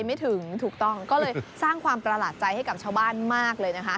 ไม่ถึงถูกต้องก็เลยสร้างความประหลาดใจให้กับชาวบ้านมากเลยนะคะ